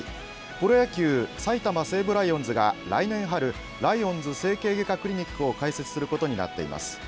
プロ野球、埼玉西武ライオンズが来年春ライオンズ整形外科クリニックを開設することになっています。